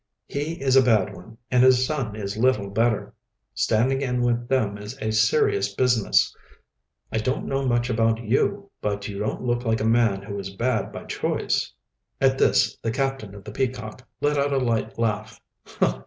"He is a bad one, and his son is little better. Standing in with them is a serious business. I don't know much about you, but you don't look like a man who is bad by choice." At this the captain of the Peacock let out a light laugh.